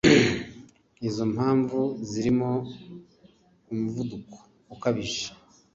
Izo mpamvu zirimo umuvuduko ukabije